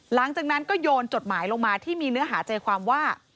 หลังจากนั้นก็โยนจดหมายลงมาที่มีเนื้อหาใจความว่า